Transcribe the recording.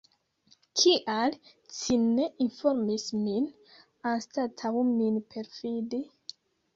Kial ci ne informis min, anstataŭ min perfidi?